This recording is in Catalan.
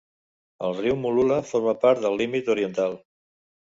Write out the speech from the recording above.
El riu Mooloolah forma part del límit oriental.